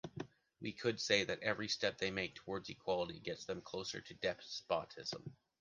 We could say that every step they make towards equality gets them closer to despotism.